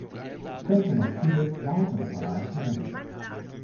Ich könnte noch viele weitere Bereiche nennen.